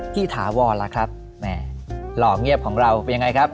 ถาวรล่ะครับแหมหล่อเงียบของเราเป็นยังไงครับ